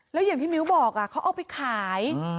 แล้วอย่างที่มิ้วบอกเขาเอาไปขาย